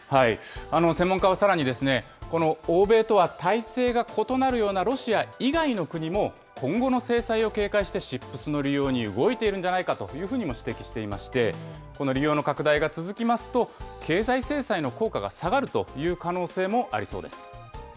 専門家はさらに、この欧米とは体制が異なるようなロシア以外の国も、今後の制裁を警戒して、ＣＩＰＳの利用に動いているんじゃないかというふうにも指摘していまして、この利用の拡大が続きますと、経済制裁の効果が下がるという可能性もありそうです。